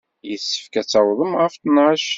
Yessefk ad tawḍem ɣef ttnac.